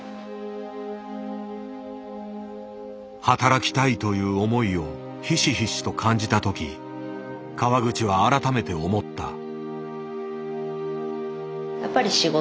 「働きたい」という思いをひしひしと感じた時川口は改めて思った。